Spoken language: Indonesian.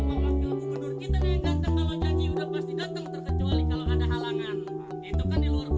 bapak wakil gubernur kita nih yang ganteng